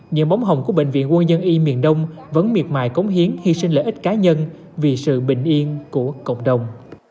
những bóng hồng của bệnh viện quân dân y miền đông vẫn miệt mài cống hiến hy sinh lợi ích cá nhân vì sự bình yên của cộng đồng